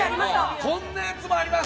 こんなやつもあります。